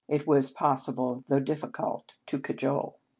it was pos sible, though difficult, to cajole.